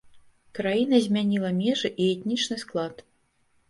Краіна змяніла межы і этнічны склад.